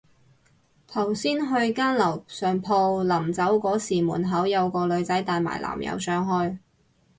頭先去間樓上鋪，臨走嗰時門口有個女仔帶埋男友上去